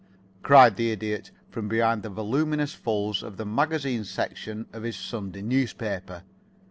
cried the Idiot, from behind the voluminous folds of the magazine section of his Sunday newspaper.